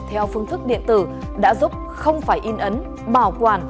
theo phương thức điện tử đã giúp không phải in ấn bảo quản